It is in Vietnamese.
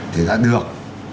thì đã được